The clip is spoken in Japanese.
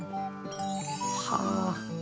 はあ！